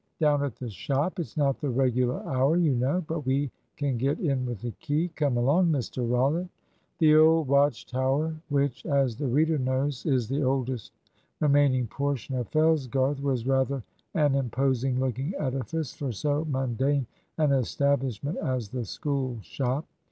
"Down at the shop. It's not the regular hour, you know. But we can get in with the key. Come along, Mr Rollitt." The old Watch Tower, which, as the reader knows, is the oldest remaining portion of Fellsgarth, was rather an imposing looking edifice for so mundane an establishment as the School shop.